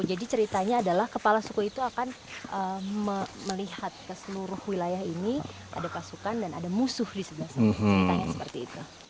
jadi ceritanya adalah kepala suku itu akan melihat ke seluruh wilayah ini ada pasukan dan ada musuh di sebelah sana